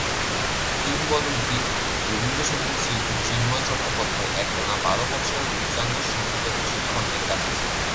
কিংবদন্তি রবীন্দ্র সঙ্গীত শিল্পী চিন্ময় চট্টোপাধ্যায় একটানা বারো বৎসরের উচ্চাঙ্গ সঙ্গীতের প্রশিক্ষণ নেন তার কাছে।